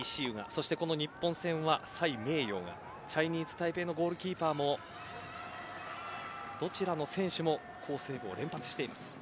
そしてこの日本戦はサイ・メイヨウかチャイニーズタイペイのゴールキーパーもどちらの選手も好セーブを連発しています。